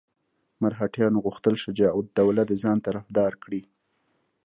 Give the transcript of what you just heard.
مرهټیانو غوښتل شجاع الدوله د ځان طرفدار کړي.